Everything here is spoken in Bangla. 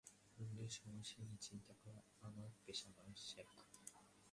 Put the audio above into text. অন্যের সমস্যা নিয়ে চিন্তা করা আমার পেশা নয়, শখ।